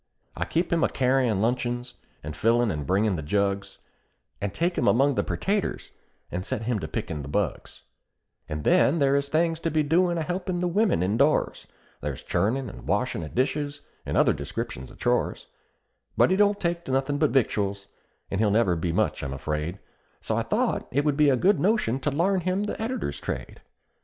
I keep him a carryin' luncheons, and fillin' and bringin' the jugs, And take him among the pertatoes, and set him to pickin' the bugs; And then there is things to be doin' a helpin' the women indoors; There's churnin' and washin' of dishes, and other descriptions of chores; But he don't take to nothin' but victuals, and he'll never be much, I'm afraid, So I thought it would be a good notion to larn him the editor's trade.